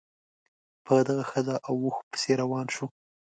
په دغه ښځه او اوښ پسې روان شو.